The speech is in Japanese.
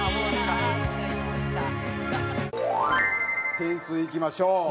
点数いきましょう。